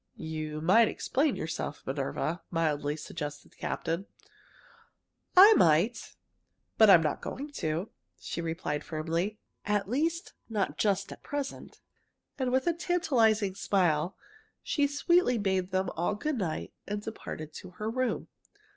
"You might explain yourself, Minerva," mildly suggested the captain. "I might, but I'm not going to!" she replied firmly. "At least, not just at present." And with a tantalizing smile, she sweetly bade them all good night and departed to her room.